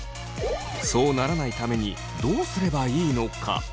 そうならないためにどうすればいいのか？